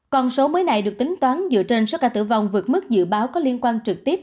còn số mới này được tính toán dựa trên số ca tử vong vượt mức dự báo có liên quan trực tiếp